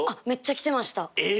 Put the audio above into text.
めっちゃ来てました。